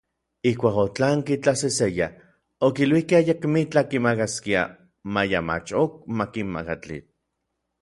Ijkuak otlanki tlaseseya, okiluikej ayakmitlaj kimakaskiaj maya mach ok makinmaka tlitl.